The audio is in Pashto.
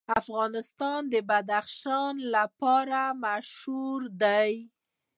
افغانستان د بدخشان لپاره مشهور دی.